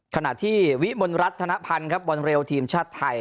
ขณะที่วิมลรัฐธนพันธ์ครับบอลเร็วทีมชาติไทย